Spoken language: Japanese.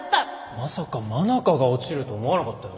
まさか真中が落ちるとは思わなかったよな